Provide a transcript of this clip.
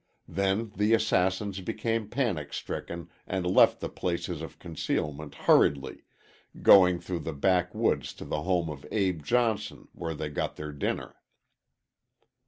Then the assassins became panic stricken and left the places of concealment hurriedly, going through the backwoods to the home of Abe Johnson, where they got their dinner.